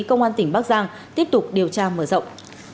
công an tỉnh bắc giang tiếp tục điều tra mở rộng